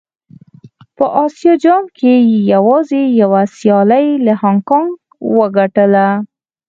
په اسيا جام کې يې يوازې يوه سيالي له هانګ کانګ وګټله.